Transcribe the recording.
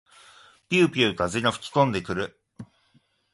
ぴゅうぴゅう風が吹きこんでくる。